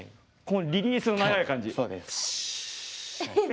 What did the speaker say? リリースの長い感じ。